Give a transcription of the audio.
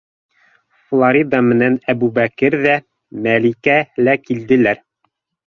Флорида менән Әбүбәкер ҙә, Мәликә лә килделәр.